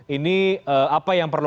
ini apa yang perlu